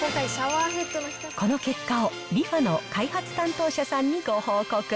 この結果をリファの開発担当者さんにご報告。